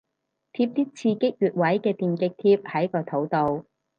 貼啲刺激穴位嘅電極貼喺個肚度